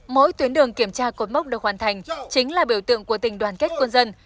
mỗi tuyến đường kiểm tra cột mốc được hoàn thành chính là biểu tượng của tình đoàn kết quân dân